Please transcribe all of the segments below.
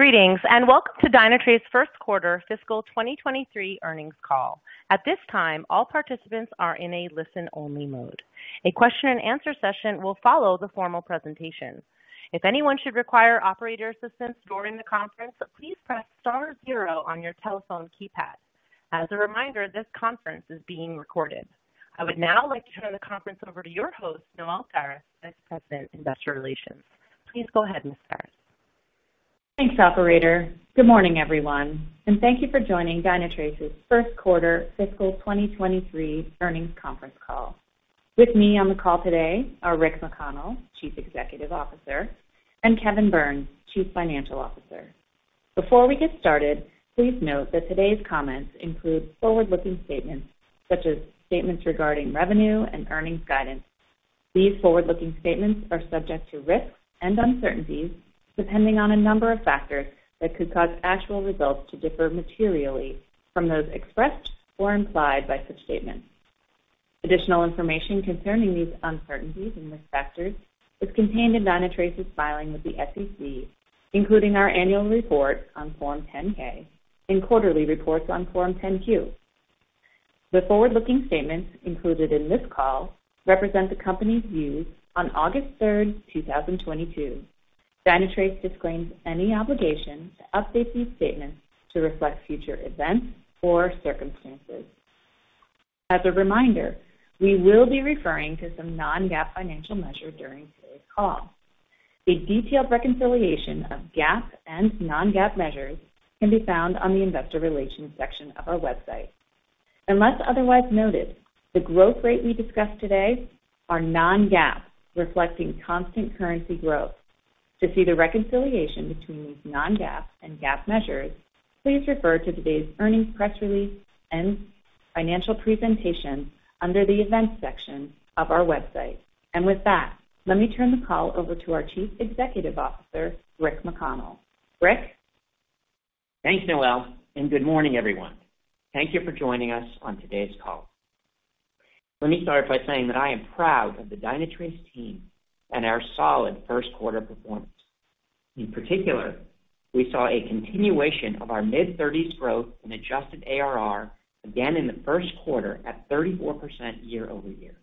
Greetings, and welcome to Dynatrace first quarter fiscal 2023 earnings call. At this time, all participants are in a listen-only mode. A question and answer session will follow the formal presentation. If anyone should require operator assistance during the conference, please press star zero on your telephone keypad. As a reminder, this conference is being recorded. I would now like to turn the conference over to your host, Noelle Faris, Vice President, Investor Relations. Please go ahead, Ms. Faris. Thanks, operator. Good morning, everyone, and thank you for joining Dynatrace's first quarter fiscal 2023 earnings conference call. With me on the call today are Rick McConnell, Chief Executive Officer, and Kevin Burns, Chief Financial Officer. Before we get started, please note that today's comments include forward-looking statements such as statements regarding revenue and earnings guidance. These forward-looking statements are subject to risks and uncertainties, depending on a number of factors that could cause actual results to differ materially from those expressed or implied by such statements. Additional information concerning these uncertainties and risk factors is contained in Dynatrace's filing with the SEC, including our annual report on Form 10-K and quarterly reports on Form 10-Q. The forward-looking statements included in this call represent the company's views on 3 August 2022. Dynatrace disclaims any obligation to update these statements to reflect future events or circumstances. As a reminder, we will be referring to some non-GAAP financial measure during today's call. A detailed reconciliation of GAAP and non-GAAP measures can be found on the investor relations section of our website. Unless otherwise noted, the growth rate we discussed today are non-GAAP, reflecting constant currency growth. To see the reconciliation between these non-GAAP and GAAP measures, please refer to today's earnings press release and financial presentation under the events section of our website. With that, let me turn the call over to our Chief Executive Officer, Rick McConnell. Rick? Thanks, Noelle, and good morning, everyone. Thank you for joining us on today's call. Let me start by saying that I am proud of the Dynatrace team and our solid first quarter performance. In particular, we saw a continuation of our mid-thirties growth in adjusted ARR again in the first quarter at 34% year-over-year.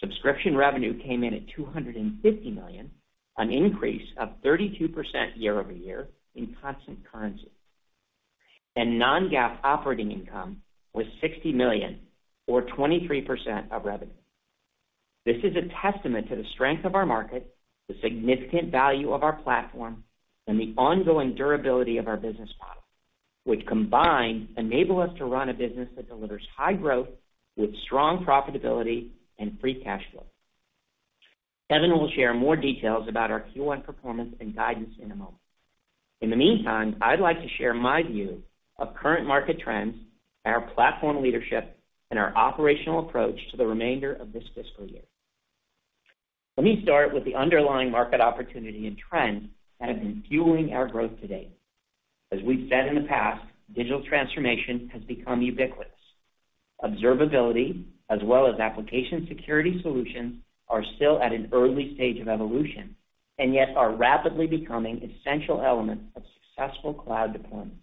Subscription revenue came in at $250 million, an increase of 32% year-over-year in constant currency. Non-GAAP operating income was $60 million or 23% of revenue. This is a testament to the strength of our market, the significant value of our platform, and the ongoing durability of our business model, which combined enable us to run a business that delivers high growth with strong profitability and free cash flow. Kevin will share more details about our Q1 performance and guidance in a moment. In the meantime, I'd like to share my view of current market trends, our platform leadership, and our operational approach to the remainder of this fiscal year. Let me start with the underlying market opportunity and trends that have been fueling our growth to date. As we've said in the past, digital transformation has become ubiquitous. Observability as well as application security solutions are still at an early stage of evolution, and yet are rapidly becoming essential elements of successful cloud deployments.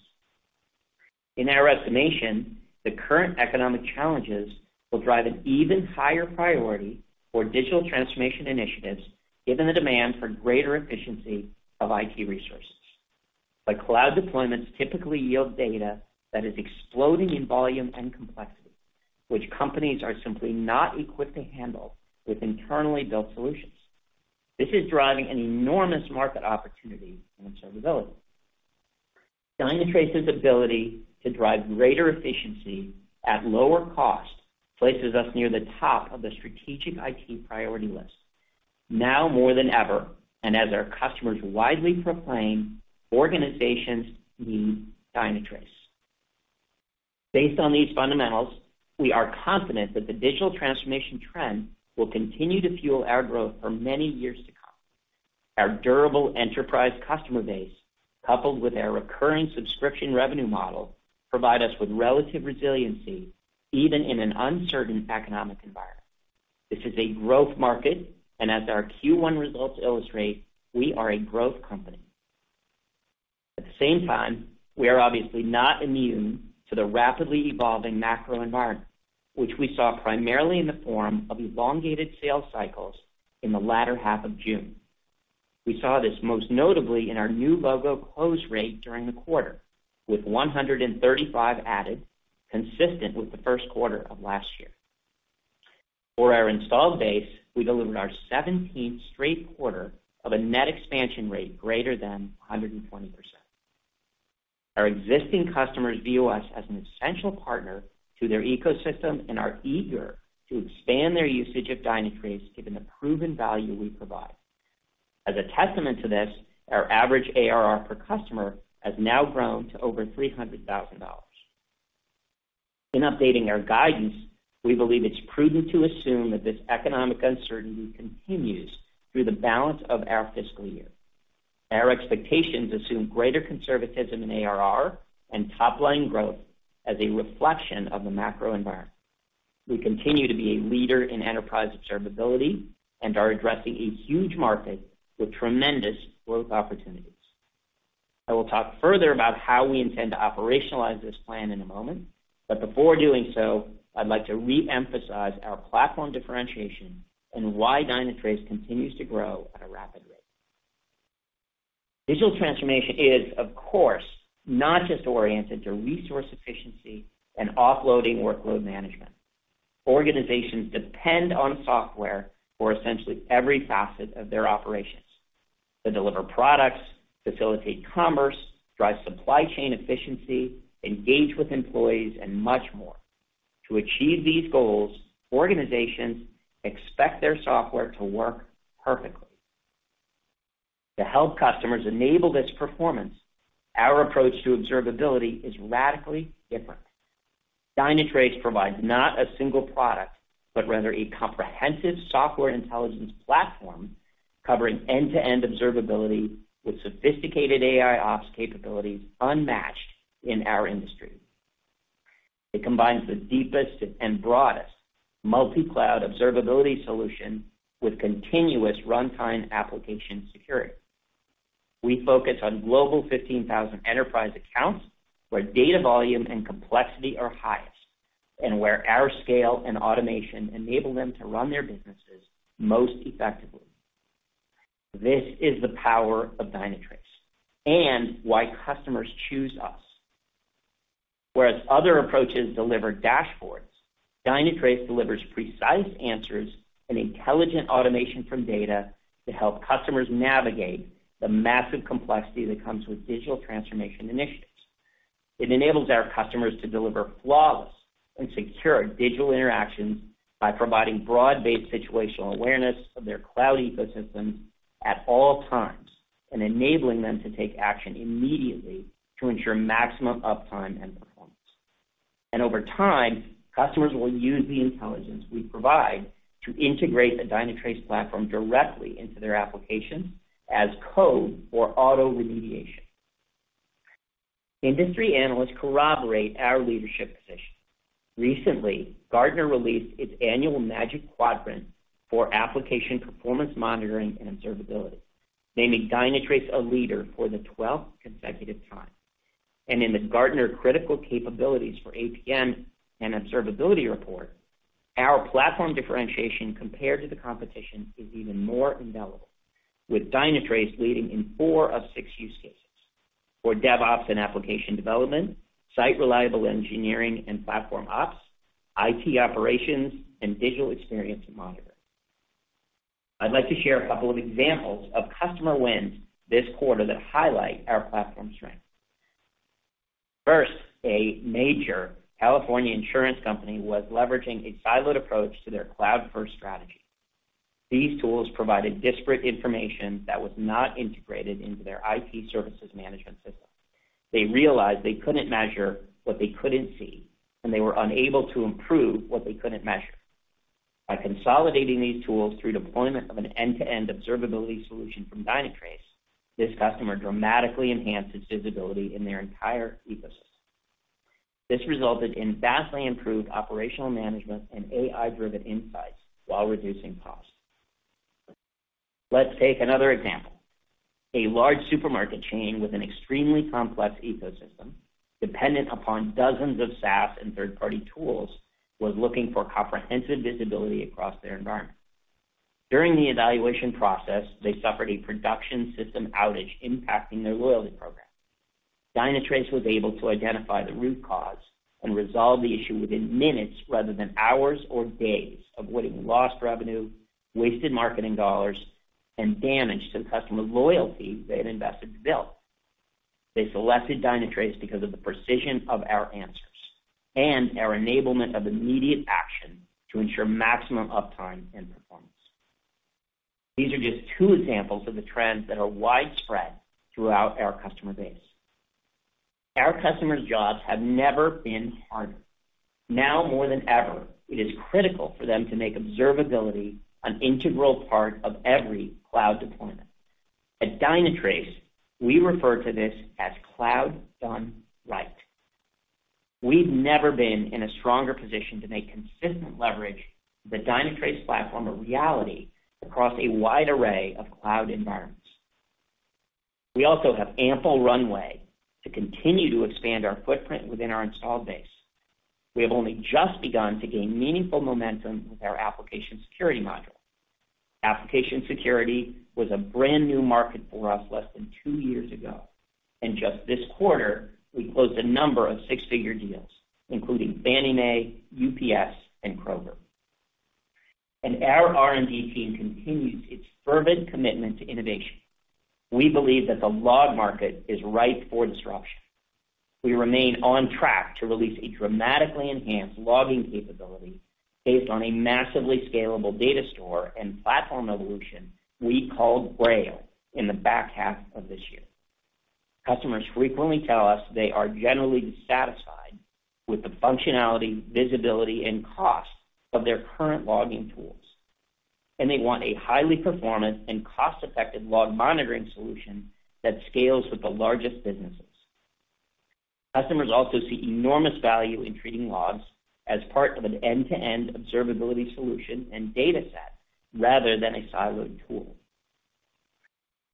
In our estimation, the current economic challenges will drive an even higher priority for digital transformation initiatives, given the demand for greater efficiency of IT resources. But cloud deployments typically yield data that is exploding in volume and complexity, which companies are simply not equipped to handle with internally built solutions. This is driving an enormous market opportunity in observability. Dynatrace's ability to drive greater efficiency at lower cost places us near the top of the strategic IT priority list. Now more than ever, and as our customers widely proclaim, organizations need Dynatrace. Based on these fundamentals, we are confident that the digital transformation trend will continue to fuel our growth for many years to come. Our durable enterprise customer base, coupled with our recurring subscription revenue model, provide us with relative resiliency even in an uncertain economic environment. This is a growth market and as our Q1 results illustrate, we are a growth company. At the same time, we are obviously not immune to the rapidly evolving macro environment, which we saw primarily in the form of elongated sales cycles in the latter half of June. We saw this most notably in our new logo close rate during the quarter, with 135 added, consistent with the first quarter of last year. For our installed base, we delivered our seventeenth straight quarter of a net expansion rate greater than 120%. Our existing customers view us as an essential partner to their ecosystem and are eager to expand their usage of Dynatrace given the proven value we provide. As a testament to this, our average ARR per customer has now grown to over $300,000. In updating our guidance, we believe it's prudent to assume that this economic uncertainty continues through the balance of our fiscal year. Our expectations assume greater conservatism in ARR and top-line growth as a reflection of the macro environment. We continue to be a leader in enterprise observability and are addressing a huge market with tremendous growth opportunities. I will talk further about how we intend to operationalize this plan in a moment, but before doing so, I'd like to re-emphasize our platform differentiation and why Dynatrace continues to grow at a rapid rate. Digital transformation is, of course, not just oriented to resource efficiency and offloading workload management. Organizations depend on software for essentially every facet of their operations. They deliver products, facilitate commerce, drive supply chain efficiency, engage with employees, and much more. To achieve these goals, organizations expect their software to work perfectly. To help customers enable this performance, our approach to observability is radically different. Dynatrace provides not a single product, but rather a comprehensive software intelligence platform covering end-to-end observability with sophisticated AIOps capabilities unmatched in our industry. It combines the deepest and broadest multi-cloud observability solution with continuous runtime application security. We focus on global 15,000 enterprise accounts where data volume and complexity are highest, and where our scale and automation enable them to run their businesses most effectively. This is the power of Dynatrace and why customers choose us. Whereas other approaches deliver dashboards, Dynatrace delivers precise answers and intelligent automation from data to help customers navigate the massive complexity that comes with digital transformation initiatives. It enables our customers to deliver flawless and secure digital interactions by providing broad-based situational awareness of their cloud ecosystem at all times, and enabling them to take action immediately to ensure maximum uptime and performance. Over time, customers will use the intelligence we provide to integrate the Dynatrace platform directly into their application as code or auto remediation. Industry analysts corroborate our leadership position. Recently, Gartner released its annual Magic Quadrant for Application Performance Monitoring and Observability, naming Dynatrace a leader for the twelfth consecutive time. In the Gartner Critical Capabilities for APM and Observability Report, our platform differentiation compared to the competition is even more indelible, with Dynatrace leading in four of six use cases for DevOps and application development, site reliability engineering and platform ops, IT operations, and digital experience and monitoring. I'd like to share a couple of examples of customer wins this quarter that highlight our platform strength. First, a major California insurance company was leveraging a siloed approach to their cloud-first strategy. These tools provided disparate information that was not integrated into their IT services management system. They realized they couldn't measure what they couldn't see, and they were unable to improve what they couldn't measure. By consolidating these tools through deployment of an end-to-end observability solution from Dynatrace, this customer dramatically enhanced its visibility in their entire ecosystem. This resulted in vastly improved operational management and AI-driven insights while reducing costs. Let's take another example. A large supermarket chain with an extremely complex ecosystem dependent upon dozens of SaaS and third-party tools was looking for comprehensive visibility across their environment. During the evaluation process, they suffered a production system outage impacting their loyalty program. Dynatrace was able to identify the root cause and resolve the issue within minutes rather than hours or days, avoiding lost revenue, wasted marketing dollars, and damage to the customer loyalty they had invested to build. They selected Dynatrace because of the precision of our answers and our enablement of immediate action to ensure maximum uptime and performance. These are just two examples of the trends that are widespread throughout our customer base. Our customers' jobs have never been harder. Now more than ever, it is critical for them to make observability an integral part of every cloud deployment. At Dynatrace, we refer to this as cloud done right. We've never been in a stronger position to make consistent leverage the Dynatrace platform a reality across a wide array of cloud environments. We also have ample runway to continue to expand our footprint within our installed base. We have only just begun to gain meaningful momentum with our application security module. Application security was a brand-new market for us less than two years ago. In just this quarter, we closed a number of six-figure deals, including Fannie Mae, UPS, and Kroger. Our R&D team continues its fervent commitment to innovation. We believe that the log market is ripe for disruption. We remain on track to release a dramatically enhanced logging capability based on a massively scalable data store and platform evolution we call Grail in the back half of this year. Customers frequently tell us they are generally dissatisfied with the functionality, visibility, and cost of their current logging tools, and they want a highly performant and cost-effective log monitoring solution that scales with the largest businesses. Customers also see enormous value in treating logs as part of an end-to-end observability solution and data set rather than a siloed tool.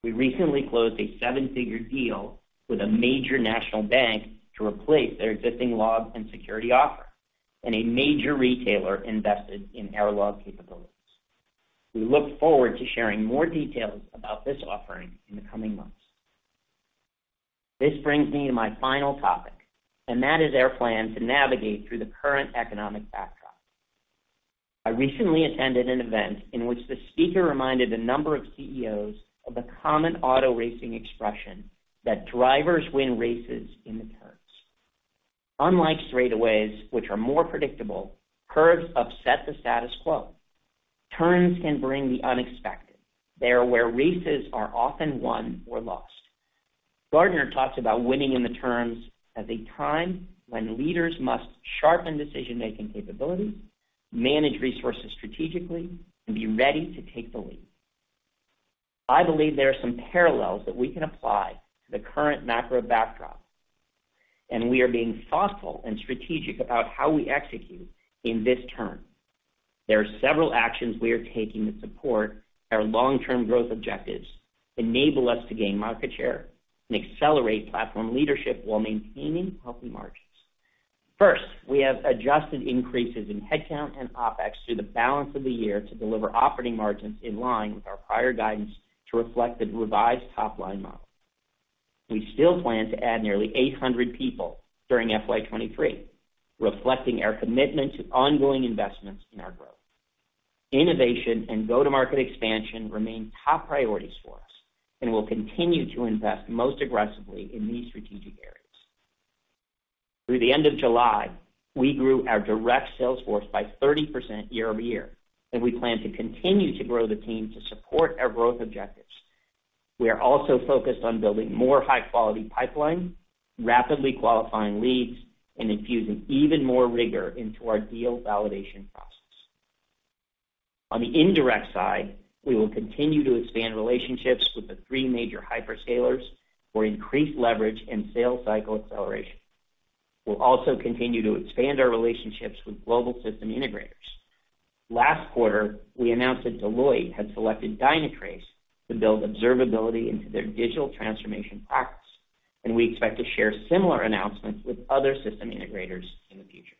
We recently closed a seven-figure deal with a major national bank to replace their existing log and security offer, and a major retailer invested in error log capabilities. We look forward to sharing more details about this offering in the coming months. This brings me to my final topic, and that is our plan to navigate through the current economic backdrop. I recently attended an event in which the speaker reminded a number of CEOs of the common auto racing expression that drivers win races in the turns. Unlike straightaways, which are more predictable, curves upset the status quo. Turns can bring the unexpected. They are where races are often won or lost. Gartner talks about winning in the turns as a time when leaders must sharpen decision-making capabilities, manage resources strategically, and be ready to take the lead. I believe there are some parallels that we can apply to the current macro backdrop, and we are being thoughtful and strategic about how we execute in this turn. There are several actions we are taking to support our long-term growth objectives, enable us to gain market share, and accelerate platform leadership while maintaining healthy margins. First, we have adjusted increases in headcount and OpEx through the balance of the year to deliver operating margins in line with our prior guidance to reflect the revised top-line model. We still plan to add nearly 800 people during FY23, reflecting our commitment to ongoing investments in our growth. Innovation and go-to-market expansion remain top priorities for us, and we'll continue to invest most aggressively in these strategic areas. Through the end of July, we grew our direct sales force by 30% year-over-year, and we plan to continue to grow the team to support our growth objectives. We are also focused on building more high-quality pipeline, rapidly qualifying leads, and infusing even more rigor into our deal validation process. On the indirect side, we will continue to expand relationships with the three major hyperscalers for increased leverage and sales cycle acceleration. We'll also continue to expand our relationships with global system integrators. Last quarter, we announced that Deloitte had selected Dynatrace to build observability into their digital transformation practice, and we expect to share similar announcements with other system integrators in the future.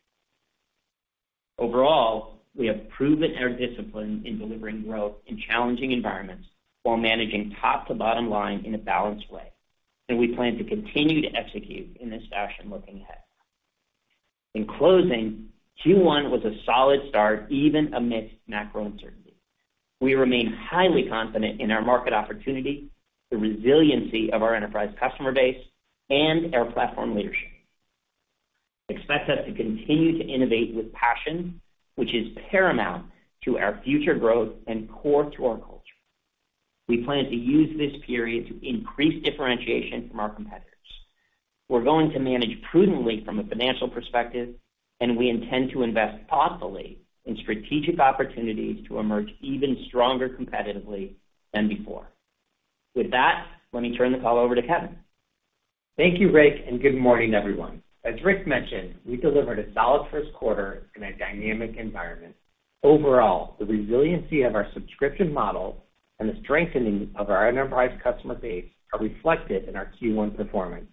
Overall, we have proven our discipline in delivering growth in challenging environments while managing top- and bottom-line in a balanced way, and we plan to continue to execute in this fashion looking ahead. In closing, Q1 was a solid start even amidst macro uncertainty. We remain highly confident in our market opportunity, the resiliency of our enterprise customer base, and our platform leadership. Expect us to continue to innovate with passion, which is paramount to our future growth and core to our culture. We plan to use this period to increase differentiation from our competitors. We're going to manage prudently from a financial perspective, and we intend to invest thoughtfully in strategic opportunities to emerge even stronger competitively than before. With that, let me turn the call over to Kevin. Thank you, Rick, and good morning, everyone. As Rick mentioned, we delivered a solid first quarter in a dynamic environment. Overall, the resiliency of our subscription model and the strengthening of our enterprise customer base are reflected in our Q1 performance.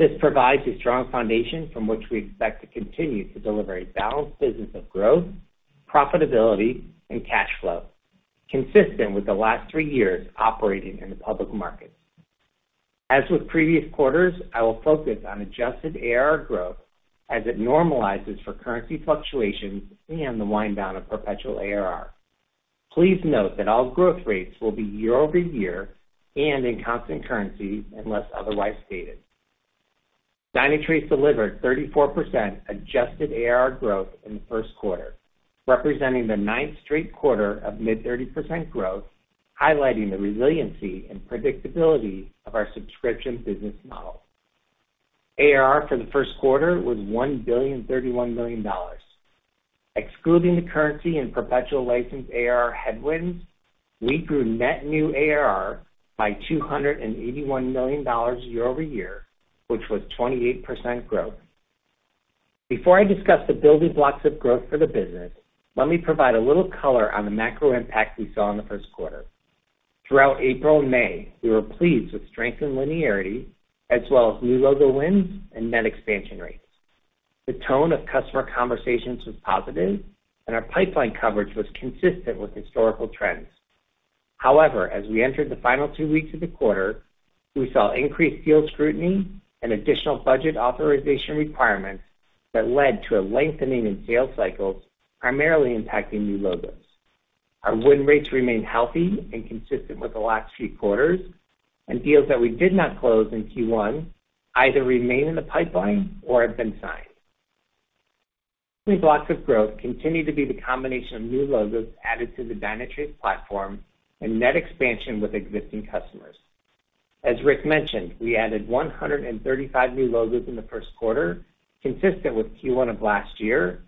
This provides a strong foundation from which we expect to continue to deliver a balanced business of growth, profitability, and cash flow, consistent with the last three years operating in the public markets. As with previous quarters, I will focus on adjusted ARR growth as it normalizes for currency fluctuations and the wind down of perpetual ARR. Please note that all growth rates will be year-over-year and in constant currency unless otherwise stated. Dynatrace delivered 34% adjusted ARR growth in the first quarter, representing the ninth straight quarter of mid-30% growth, highlighting the resiliency and predictability of our subscription business model. ARR for the first quarter was $1.031 billion. Excluding the currency and perpetual license ARR headwinds, we grew net new ARR by $281 million year over year, which was 28% growth. Before I discuss the building blocks of growth for the business, let me provide a little color on the macro impact we saw in the first quarter. Throughout April and May, we were pleased with strength in linearity as well as new logo wins and net expansion rates. The tone of customer conversations was positive, and our pipeline coverage was consistent with historical trends. However, as we entered the final two weeks of the quarter, we saw increased deal scrutiny and additional budget authorization requirements that led to a lengthening in sales cycles, primarily impacting new logos. Our win rates remain healthy and consistent with the last few quarters, and deals that we did not close in Q1 either remain in the pipeline or have been signed. Building blocks of growth continue to be the combination of new logos added to the Dynatrace platform and net expansion with existing customers. As Rick mentioned, we added 135 new logo's in the first quarter, consistent with Q1 of last year.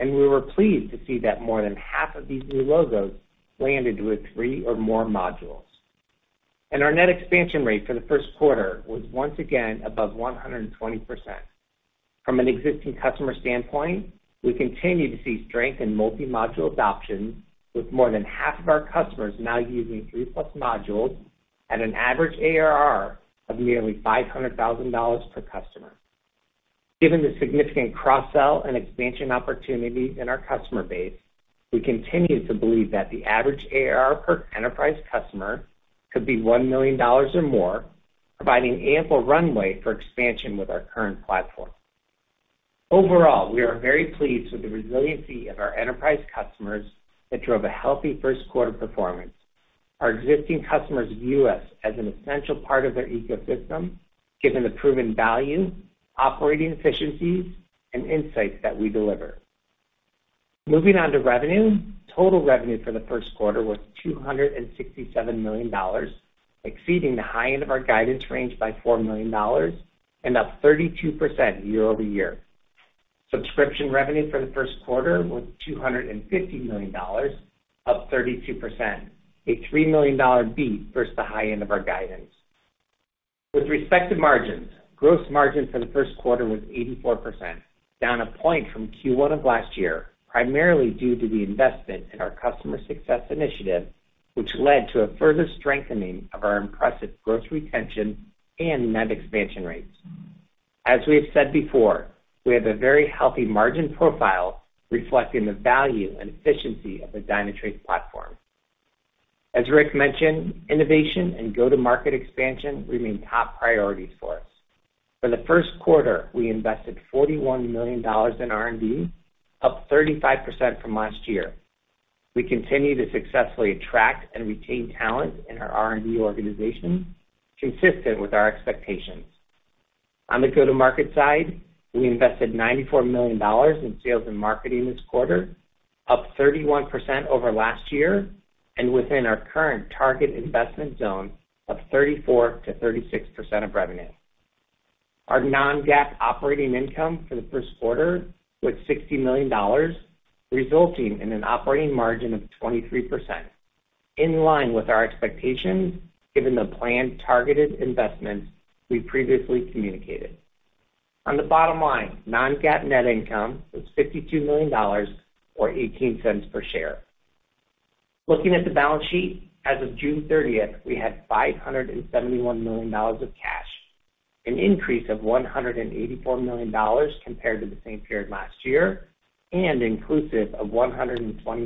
We were pleased to see that more than half of these new logo's landed with three or more modules. Our net expansion rate for the first quarter was once again above 120%. From an existing customer standpoint, we continue to see strength in multi-module adoption, with more than half of our customers now using 3+ modules at an average ARR of nearly $500,000 per customer. Given the significant cross-sell and expansion opportunity in our customer base, we continue to believe that the average ARR per enterprise customer could be $1 million or more, providing ample runway for expansion with our current platform. Overall, we are very pleased with the resiliency of our enterprise customers that drove a healthy first quarter performance. Our existing customers view us as an essential part of their ecosystem, given the proven value, operating efficiencies, and insights that we deliver. Moving on to revenue, total revenue for the first quarter was $267 million, exceeding the high end of our guidance range by $4 million and up 32% year-over-year. Subscription revenue for the first quarter was $250 million, up 32%, a $3 million beat versus the high end of our guidance. With respect to margins, gross margin for the first quarter was 84%, down a point from Q1 of last year, primarily due to the investment in our customer success initiative, which led to a further strengthening of our impressive gross retention and net expansion rates. We have said before, we have a very healthy margin profile reflecting the value and efficiency of the Dynatrace platform. Rick mentioned, innovation and go-to-market expansion remain top priorities for us. For the first quarter, we invested $41 million in R&D, up 35% from last year. We continue to successfully attract and retain talent in our R&D organization, consistent with our expectations. On the go-to-market side, we invested $94 million in sales and marketing this quarter, up 31% over last year and within our current target investment zone of 34% to 36% of revenue. Our non-GAAP operating income for the first quarter was $60 million, resulting in an operating margin of 23%, in line with our expectations given the planned targeted investments we previously communicated. On the bottom line, non-GAAP net income was $52 million or $0.18 per share. Looking at the balance sheet, as of June 30, we had $571 million of cash, an increase of $184 million compared to the same period last year and inclusive of $120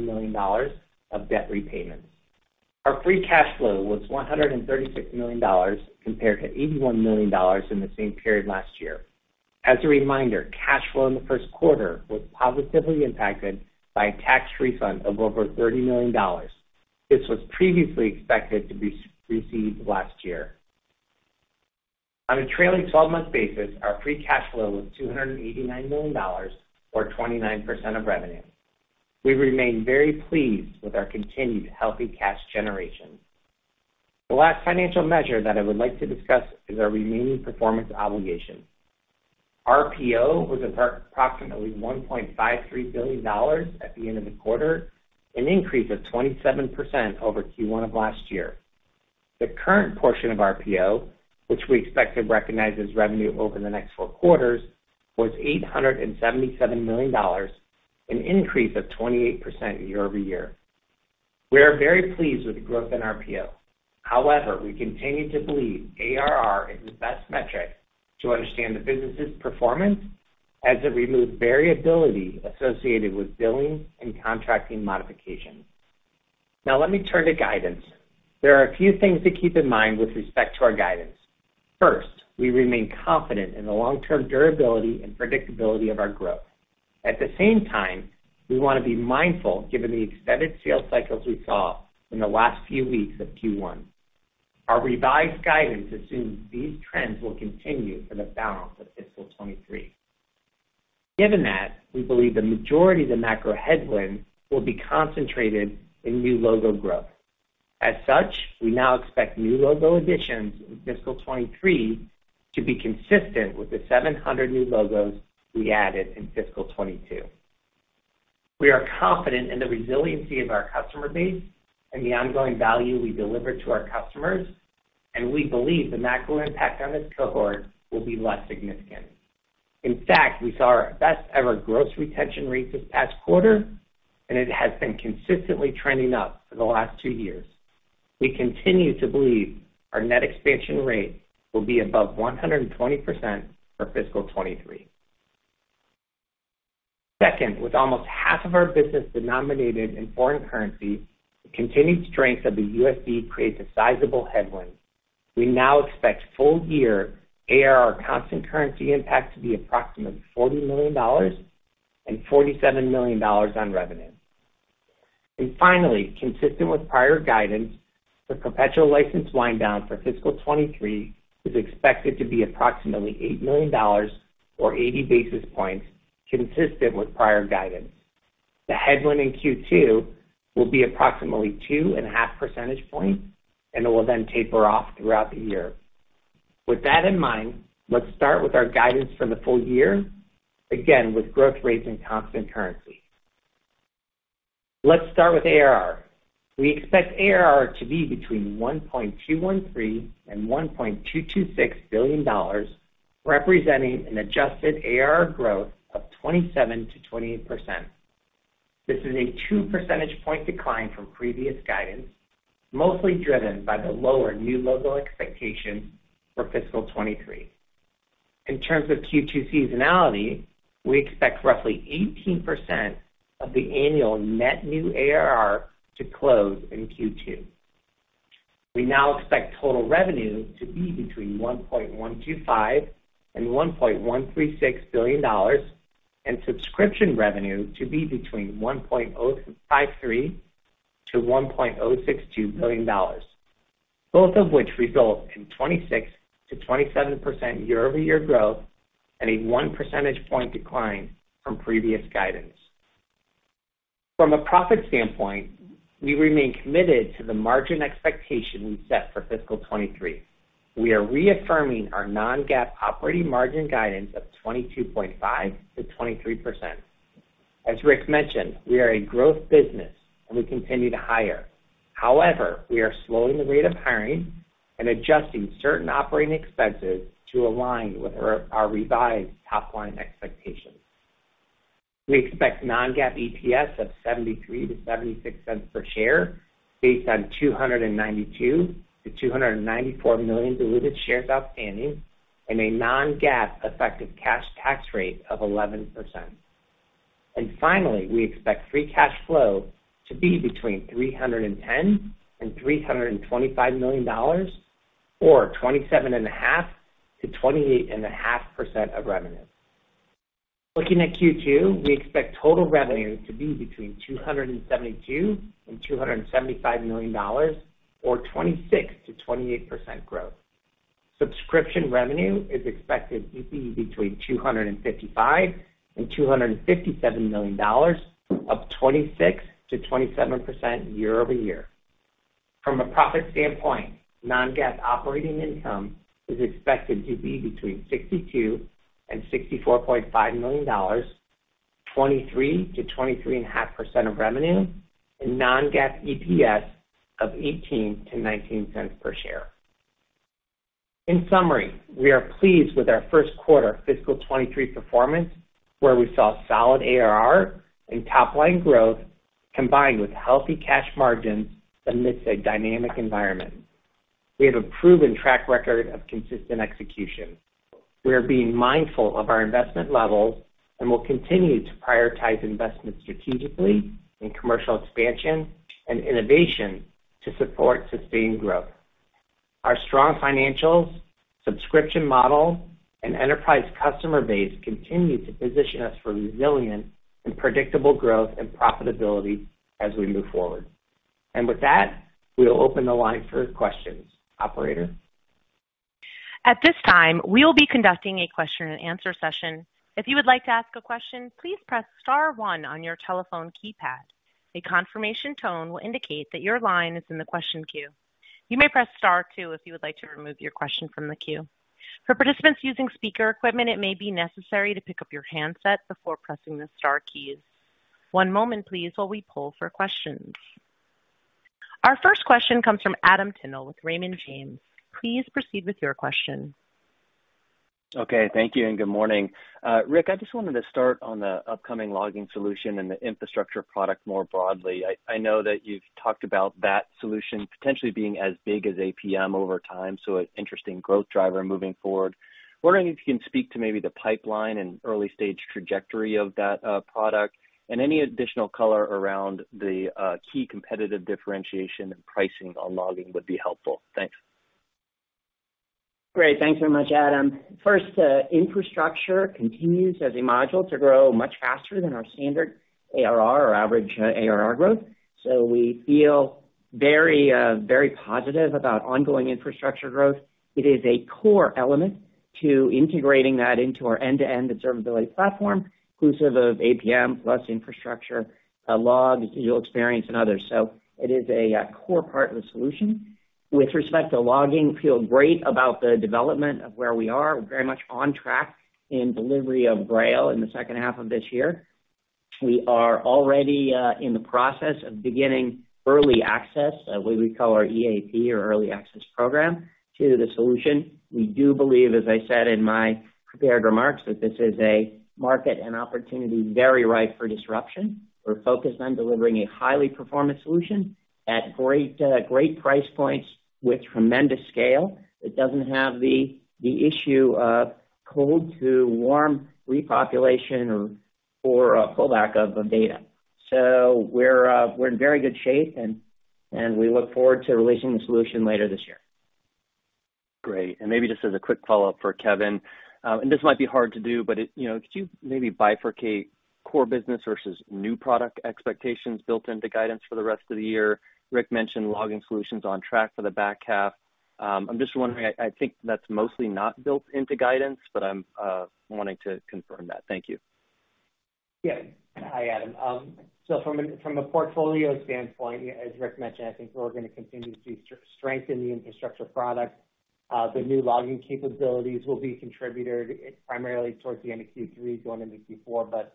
million of debt repayment. Our free cash flow was $136 million compared to $81 million in the same period last year. As a reminder, cash flow in the first quarter was positively impacted by a tax refund of over $30 million. This was previously expected to be received last year. On a trailing twelve-month basis, our free cash flow was $289 million or 29% of revenue. We remain very pleased with our continued healthy cash generation. The last financial measure that I would like to discuss is our remaining performance obligation. RPO was approximately $1.53 billion at the end of the quarter, an increase of 27% over Q1 of last year. The current portion of RPO, which we expect to recognize as revenue over the next four quarters, was $877 million, an increase of 28% year-over-year. We are very pleased with the growth in RPO. However, we continue to believe ARR is the best metric to understand the business's performance as it removes variability associated with billing and contracting modifications. Now let me turn to guidance. There are a few things to keep in mind with respect to our guidance. First, we remain confident in the long-term durability and predictability of our growth. At the same time, we want to be mindful given the extended sales cycles we saw in the last few weeks of Q1. Our revised guidance assumes these trends will continue for the balance of fiscal 2023. Given that, we believe the majority of the macro headwind will be concentrated in new logo growth. As such, we now expect new logo additions in fiscal 2023 to be consistent with the 700 new logos we added in fiscal 2022. We are confident in the resiliency of our customer base and the ongoing value we deliver to our customers, and we believe the macro impact on this cohort will be less significant. In fact, we saw our best ever Gross Retention rate this past quarter, and it has been consistently trending up for the last two years. We continue to believe our Net Expansion Rate will be above 120% for fiscal 2023. Second, with almost half of our business denominated in foreign currency, the continued strength of the USD creates a sizable headwind. We now expect full-year ARR constant currency impact to be approximately $40 million and $47 million on revenue. Finally, consistent with prior guidance, the perpetual license wind down for fiscal 2023 is expected to be approximately $8 million or 80 basis points, consistent with prior guidance. The headwind in Q2 will be approximately 2.5 percentage points, and it will then taper off throughout the year. With that in mind, let's start with our guidance for the full year, again, with growth rates in constant currency. Let's start with ARR. We expect ARR to be between $1.213 billion and $1.226 billion, representing an adjusted ARR growth of 27% to 28%. This is a 2 percentage point decline from previous guidance, mostly driven by the lower new logo expectations for fiscal 2023. In terms of Q2 seasonality, we expect roughly 18% of the annual net new ARR to close in Q2. We now expect total revenue to be between $1.125 billion and $1.136 billion and subscription revenue to be between $1.053 billion to $1.062 billion, both of which result in 26% to 27% year-over-year growth and a one percentage point decline from previous guidance. From a profit standpoint, we remain committed to the margin expectation we set for fiscal 2023. We are reaffirming our non-GAAP operating margin guidance of 22.5% to 23%. As Rick mentioned, we are a growth business, and we continue to hire. However, we are slowing the rate of hiring and adjusting certain operating expenses to align with our revised top line expectations. We expect non-GAAP EPS of $0.73 to $0.76 per share based on 292 to 294 million diluted shares outstanding and a non-GAAP effective cash tax rate of 11%. Finally, we expect free cash flow to be between $310 and $325 million or 27.5% to 28.5% of revenue. Looking at Q2, we expect total revenue to be between $272 and $275 million or 26% to 28% growth. Subscription revenue is expected to be between $255 and $257 million, up 26% to 27% year-over-year. From a profit standpoint, non-GAAP operating income is expected to be between $62 million and $64.5 million, 23% to 23.5% of revenue, and non-GAAP EPS of $0.18 to $0.19 per share. In summary, we are pleased with our first quarter fiscal 2023 performance, where we saw solid ARR and top line growth combined with healthy cash margins amidst a dynamic environment. We have a proven track record of consistent execution. We are being mindful of our investment levels and will continue to prioritize investments strategically in commercial expansion and innovation to support sustained growth. Our strong financials, subscription model, and enterprise customer base continue to position us for resilient and predictable growth and profitability as we move forward. With that, we will open the line for questions. Operator? At this time, we will be conducting a Q&A session. If you would like to ask a question, please press star 1 on your telephone keypad. A confirmation tone will indicate that your line is in the question queue. You may press star 2 if you would like to remove your question from the queue. For participants using speaker equipment, it may be necessary to pick up your handset before pressing the star keys. One moment, please, while we poll for questions. Our first question comes from Adam Tindle with Raymond James. Please proceed with your question. Okay, thank you, and good morning. Rick, I just wanted to start on the upcoming logging solution and the infrastructure product more broadly. I know that you've talked about that solution potentially being as big as APM over time, so an interesting growth driver moving forward. Wondering if you can speak to maybe the pipeline and early-stage trajectory of that product and any additional color around the key competitive differentiation and pricing on logging would be helpful. Thanks. Great. Thanks so much, Adam. First, infrastructure continues as a module to grow much faster than our standard ARR or average ARR growth. We feel very positive about ongoing infrastructure growth. It is a core element to integrating that into our end-to-end observability platform, inclusive of APM plus infrastructure, logs, digital experience, and others. It is a core part of the solution. With respect to logging, feel great about the development of where we are. We're very much on track in delivery of Grail in the second half of this year. We are already in the process of beginning early access, what we call our EAP or early access program, to the solution. We do believe, as I said in my prepared remarks, that this is a market and opportunity very ripe for disruption. We're focused on delivering a highly performant solution at great price points with tremendous scale that doesn't have the issue of cold to warm repopulation or a pullback of data. We're in very good shape, and we look forward to releasing the solution later this year. Great. Maybe just as a quick follow-up for Kevin, and this might be hard to do, but could you maybe bifurcate core business versus new product expectations built into guidance for the rest of the year? Rick mentioned logging solutions on track for the back half. I'm just wondering, I think that's mostly not built into guidance, but I'm wanting to confirm that. Thank you. Yes. Hi, Adam. From a portfolio standpoint, as Rick mentioned, I think we're gonna continue to strengthen the infrastructure product. The new logging capabilities will be contributed primarily towards the end of Q3, going into Q4.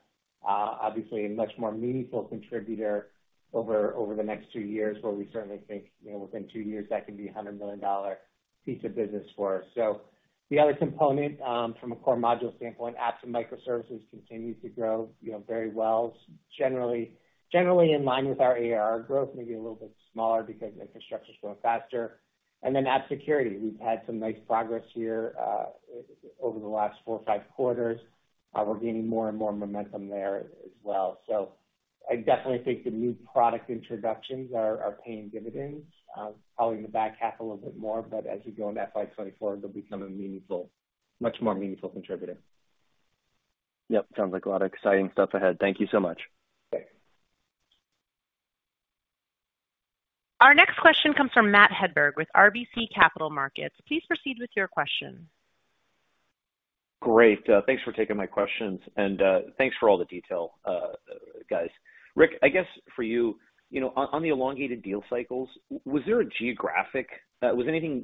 Obviously a much more meaningful contributor over the next two years, where we certainly think, within two years that can be a $100 million piece of business for us. The other component, from a core module standpoint, apps and microservices continue to grow, very well. Generally in line with our ARR growth, maybe a little bit smaller because infrastructure is growing faster. App security, we've had some nice progress here, over the last four or five quarters. We're gaining more and more momentum there as well. I definitely think the new product introductions are paying dividends, probably in the back half a little bit more. As we go into FY24, they'll become a meaningful, much more meaningful contributor. Yep. Sounds like a lot of exciting stuff ahead. Thank you so much. Okay. Our next question comes from Matthew Hedberg with RBC Capital Markets. Please proceed with your question. Great. Thanks for taking my questions and, thanks for all the detail, Chase. Rick, I guess for you, on the elongated deal cycles, was there anything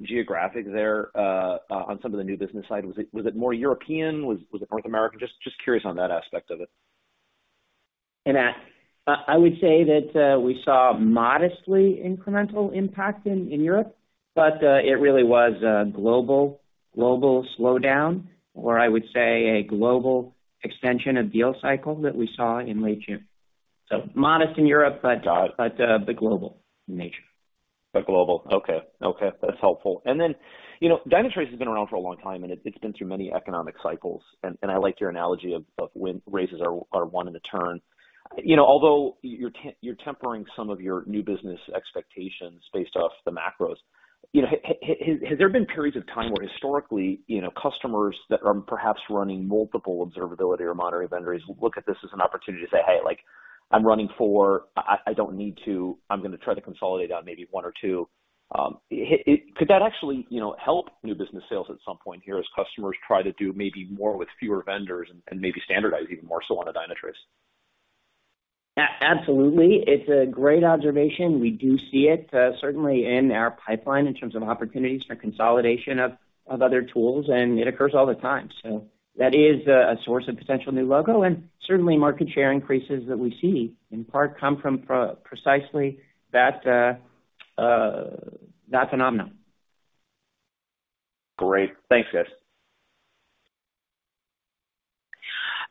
geographic there, on some of the new business side? Was it more European? Was it North American? Just curious on that aspect of it. Matt. I would say that we saw modestly incremental impact in Europe, but it really was a global slowdown or I would say a global extension of deal cycle that we saw in late June. Modest in Europe, but global in nature. Global, okay. Okay, that's helpful. Then, Dynatrace has been around for a long time, and it's been through many economic cycles. I like your analogy of win rates are one in ten. Although you're tempering some of your new business expectations based off the macros. Has there been periods of time where historically, customers that are perhaps running multiple observability or monitoring vendors look at this as an opportunity to say, "Like I'm running four. I don't need to. I'm gonna try to consolidate on maybe one or two." It could that actually, help new business sales at some point here as customers try to do maybe more with fewer vendors and maybe standardize even more so on a Dynatrace? Absolutely. It's a great observation. We do see it certainly in our pipeline in terms of opportunities for consolidation of other tools, and it occurs all the time. That is a source of potential new logo and certainly market share increases that we see in part come from precisely that phenomenon. Great. Thanks, Kevs.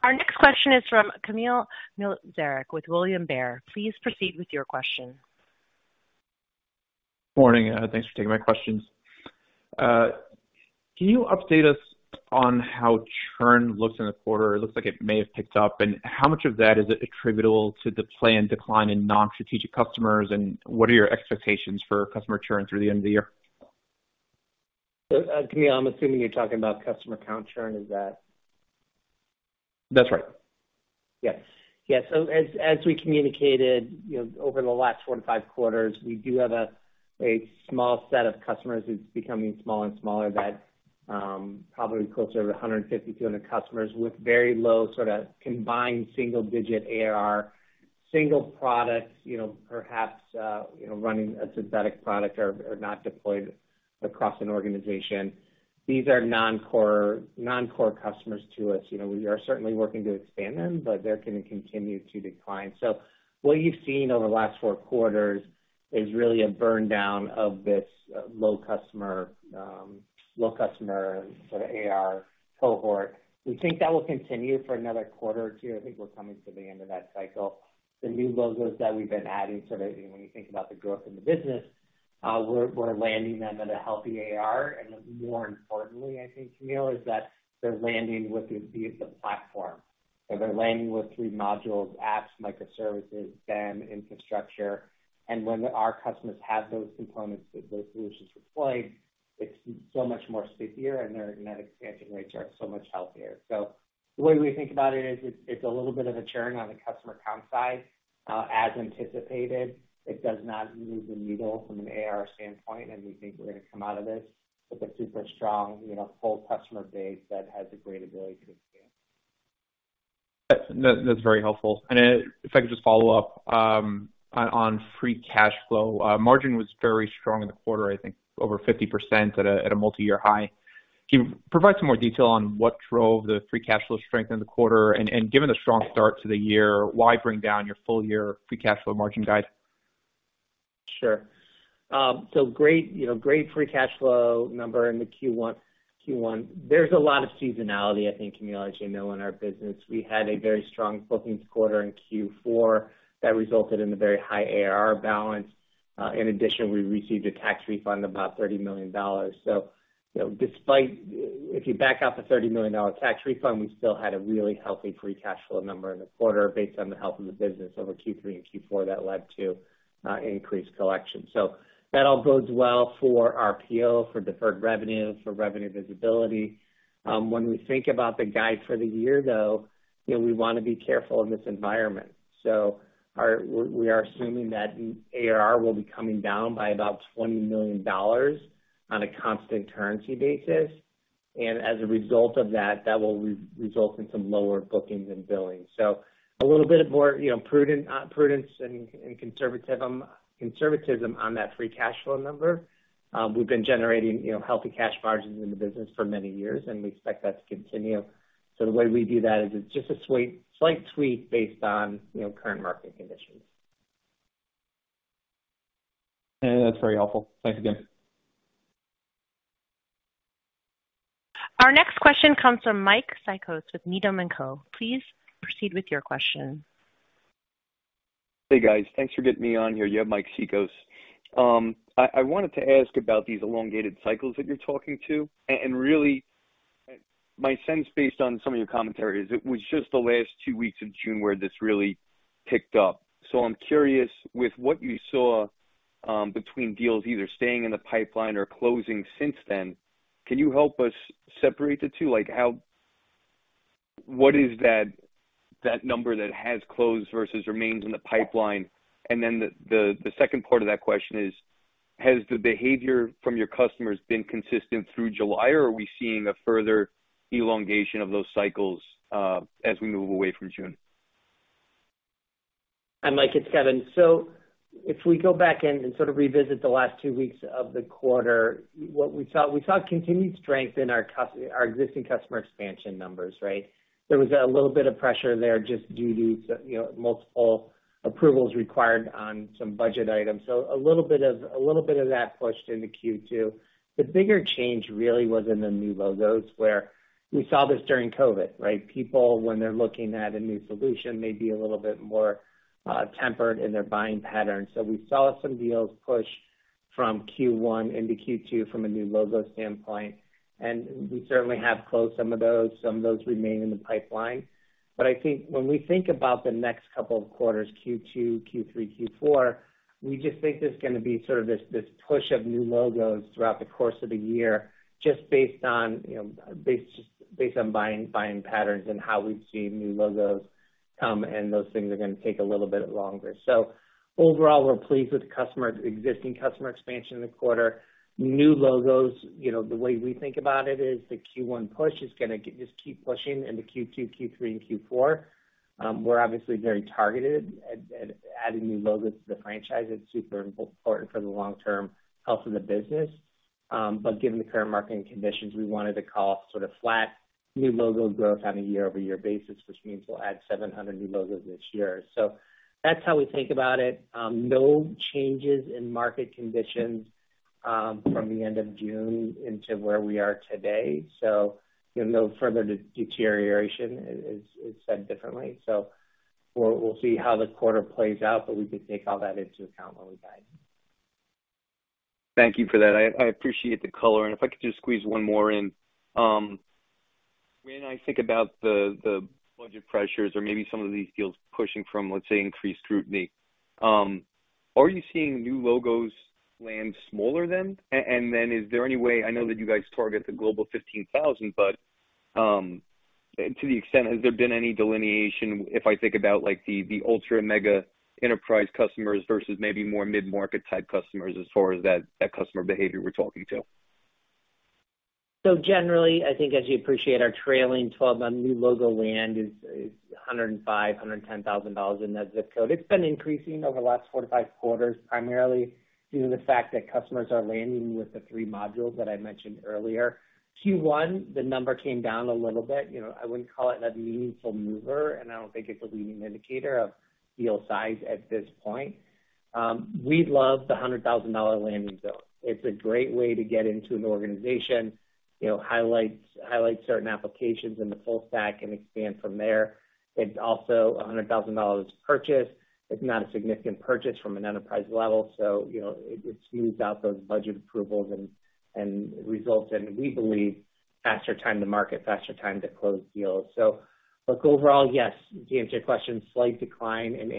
Our next question is from Kamil Mielczarek with William Blair. Please proceed with your question. Morning. Thanks for taking my questions. Can you update us on how churn looks in the quarter? It looks like it may have picked up. How much of that is attributable to the planned decline in non-strategic customers? What are your expectations for customer churn through the end of the year? Kamil, I'm assuming you're talking about customer count churn. Is that? That's right. Yes. As we communicated, over the last 4-5 quarters, we do have a small set of customers who's becoming smaller and smaller that probably closer to 150-200 customers with very low sorta combined single-digit ARR, single products, perhaps running a synthetic product or not deployed across an organization. These are non-core customers to us. We are certainly working to expand them, but they're gonna continue to decline. What you've seen over the last 4 quarters is really a burn down of this low customer sort of ARR cohort. We think that will continue for another quarter or two. I think we're coming to the end of that cycle. The new logo's that we've been adding, sort of when you think about the growth in the business, we're landing them at a healthy ARR. More importantly, I think, Kamil, is that they're landing with a view of the platform. They're landing with three modules: apps, microservices, DEM, infrastructure. When our customers have those components, those solutions deployed, it's so much more stickier and their net expansion rates are so much healthier. The way we think about it is it's a little bit of a churn on the customer count side, as anticipated. It does not move the needle from an ARR standpoint, and we think we're gonna come out of this with a super strong, full customer base that has a great ability to expand. That's very helpful. If I could just follow up on free cash flow. Margin was very strong in the quarter, I think over 50% at a multi-year high. Can you provide some more detail on what drove the free cash flow strength in the quarter? Given the strong start to the year, why bring down your full year free cash flow margin guide? Sure. Great free cash flow number in the Q1. There's a lot of seasonality, I think, Camille, as in our business. We had a very strong bookings quarter in Q4 that resulted in a very high ARR balance. In addition, we received a tax refund about $30 million. Despite. If you back out the $30 million tax refund, we still had a really healthy free cash flow number in the quarter based on the health of the business over Q3 and Q4 that led to increased collection. That all bodes well for our RPO, for deferred revenue, for revenue visibility. When we think about the guide for the year, though, we wanna be careful in this environment. We are assuming that ARR will be coming down by about $20 million on a constant currency basis. As a result of that will result in some lower bookings and billings. A little bit more, prudence and conservatism on that free cash flow number. We've been generating, healthy cash margins in the business for many years, and we expect that to continue. The way we do that is it's just a slight tweak based on, current market conditions. That's very helpful. Thanks again. Our next question comes from Mike Cikos with Needham & Co. Please proceed with your question. Guys. Thanks for getting me on here. You have Mike Cikos. I wanted to ask about these elongated cycles that you're talking about. Really, my sense based on some of your commentary is it was just the last two weeks of June where this really picked up. I'm curious about what you saw between deals either staying in the pipeline or closing since then. Can you help us separate the two? Like, how what is that number that has closed versus remains in the pipeline? Then the second part of that question is, has the behavior from your customers been consistent through July, or are we seeing a further elongation of those cycles as we move away from June? Mike, it's Kevin. If we go back and sort of revisit the last two weeks of the quarter, what we saw continued strength in our existing customer expansion numbers, right? There was a little bit of pressure there just due to multiple approvals required on some budget items. A little bit of that pushed into Q2. The bigger change really was in the new logos where we saw this during COVID, right? People, when they're looking at a new solution, may be a little bit more tempered in their buying patterns. We saw some deals push from Q1 into Q2 from a new logo standpoint, and we certainly have closed some of those. Some of those remain in the pipeline. I think when we think about the next couple of quarters, Q2, Q3, Q4, we just think there's gonna be sort of this push of new logos throughout the course of the year just based on, based on buying patterns and how we've seen new logos come, and those things are gonna take a little bit longer. Overall, we're pleased with existing customer expansion this quarter. New logos, the way we think about it is the Q1 push is gonna just keep pushing into Q2, Q3, and Q4. We're obviously very targeted at adding new logos to the franchise. It's super important for the long-term health of the business. Given the current market conditions, we wanted to call sort of flat new logo growth on a year-over-year basis, which means we'll add 700 new logos this year. That's how we think about it. No changes in market conditions from the end of June into where we are today, no further deterioration is said differently. We'll see how the quarter plays out, but we can take all that into account when we guide. Thank you for that. I appreciate the color. If I could just squeeze one more in. When I think about the budget pressures or maybe some of these deals pushing from, let's say, increased scrutiny, are you seeing new logos land smaller than? Is there any way, I know that you guys target the global 15,000, but to the extent, has there been any delineation, if I think about, like, the ultra-mega enterprise customers versus maybe more mid-market type customers as far as that customer behavior we're talking to? Generally, I think as you appreciate our trailing twelve on new logo land is 105,000-$110,000 in that ZIP code. It's been increasing over the last 4 to 5 quarters, primarily due to the fact that customers are landing with the three modules that I mentioned earlier. Q1, the number came down a little bit. I wouldn't call it a meaningful mover, and I don't think it's a leading indicator of deal size at this point. We love the $100,000 landing zone. It's a great way to get into an organization, highlights certain applications in the full stack and expand from there. It's also a $100,000 purchase. It's not a significant purchase from an enterprise level, so, it smooths out those budget approvals and results in, we believe, faster time to market, faster time to close deals. Look, overall, yes, to answer your question, slight decline in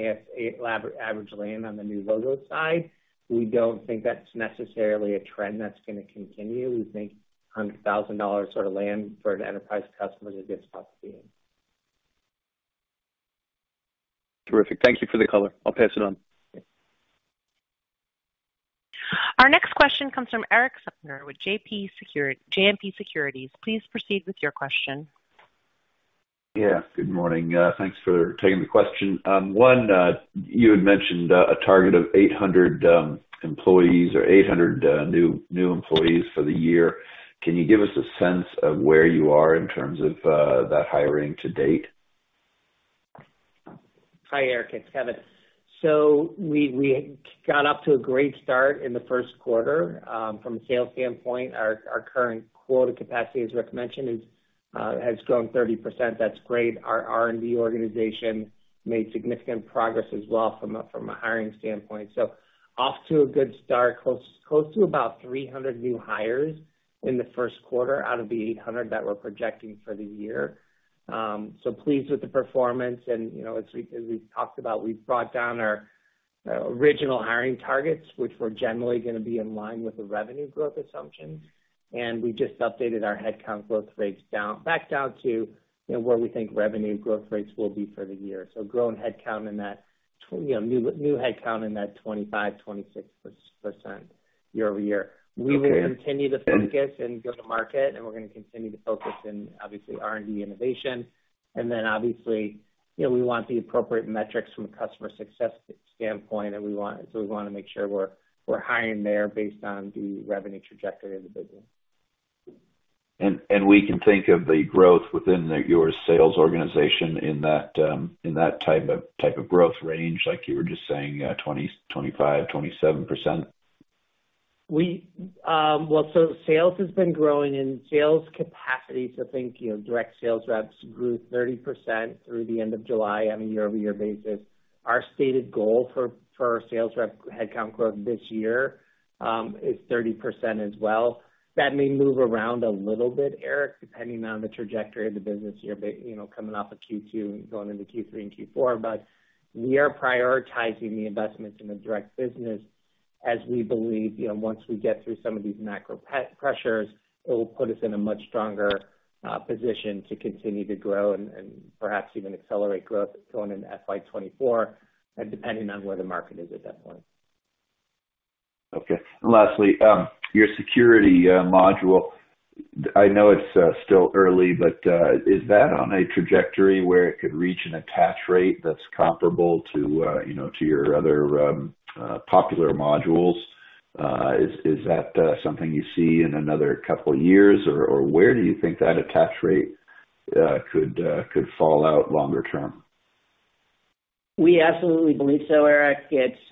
average land on the new logo side. We don't think that's necessarily a trend that's gonna continue. We think $100,000 sort of land for an enterprise customer is a good spot to be in. Terrific. Thank you for the color. I'll pass it on. Our next question comes from Erik Suppiger with JMP Securities. Please proceed with your question. Good morning. Thanks for taking the question. One, you had mentioned a target of 800 employees or 800 new employees for the year. Can you give us a sense of where you are in terms of that hiring to date? Hi, Erik. It's Kevin. We got off to a great start in the first quarter. From a sales standpoint, our current quota capacity, as Rick mentioned, has grown 30%. That's great. Our R&D organization made significant progress as well from a hiring standpoint. Off to a good start. Close to about 300 new hires in the first quarter out of the 800 that we're projecting for the year. So pleased with the performance and, as we've talked about, we've brought down our original hiring targets, which were generally gonna be in line with the revenue growth assumptions. We just updated our headcount growth rates down, back down to, where we think revenue growth rates will be for the year. New headcount in that 25% to 26% year-over-year. Okay. We will continue the focus in go-to-market, and we're gonna continue to focus in, obviously, R&D innovation. Obviously, we want the appropriate metrics from a customer success standpoint, we wanna make sure we're hiring there based on the revenue trajectory of the business. We can think of the growth within your sales organization in that type of growth range like you were just saying 20, 25, 27%? Sales has been growing and sales capacity, so think, direct sales reps grew 30% through the end of July on a year-over-year basis. Our stated goal for our sales rep headcount growth this year is 30% as well. That may move around a little bit, Erik, depending on the trajectory of the business here, but coming off of Q2 and going into Q3 and Q4. We are prioritizing the investments in the direct business as we believe, once we get through some of these macro pressures, it will put us in a much stronger position to continue to grow and perhaps even accelerate growth going into FY 2024, depending on where the market is at that point. Okay. Lastly, your security module, I know it's still early, but is that on a trajectory where it could reach an attach rate that's comparable to, to your other popular modules? Is that something you see in another couple years? Or where do you think that attach rate could fall out longer term? We absolutely believe so, Erik. It's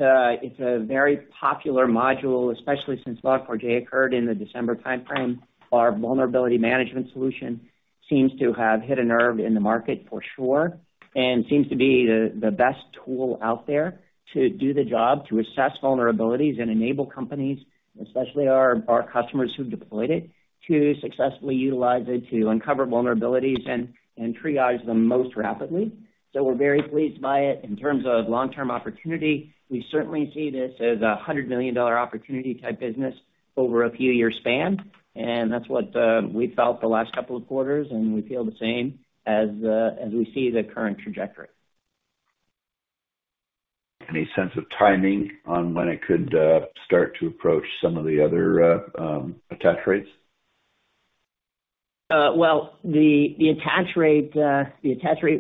a very popular module, especially since Log4j occurred in the December timeframe. Our vulnerability management solution seems to have hit a nerve in the market for sure, and seems to be the best tool out there to do the job, to assess vulnerabilities and enable companies, especially our customers who've deployed it, to successfully utilize it to uncover vulnerabilities and triage them most rapidly. We're very pleased by it. In terms of long-term opportunity, we certainly see this as a $100 million opportunity type business over a few year span, and that's what we felt the last couple of quarters, and we feel the same as we see the current trajectory. Any sense of timing on when it could start to approach some of the other attach rates? Well, the attach rate